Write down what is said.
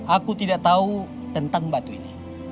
aku tidak tahu tentang batu ini